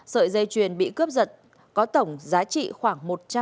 sợi dây chuyền bị cướp giật có tổng giá trị khoảng